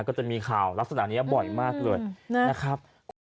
ก็จะมีข่าวลักษณะนี้บ่อยมากเลยนะครับ